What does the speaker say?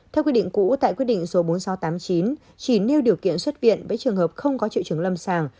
theo quy định cũ tại quyết định số bốn nghìn sáu trăm tám mươi chín chỉ nêu điều kiện xuất viện với trường hợp không có triệu chứng lâm sàng